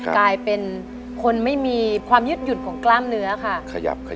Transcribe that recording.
กลายเป็นคนไม่มีความยึดหยุดของกล้ามเนื้อค่ะ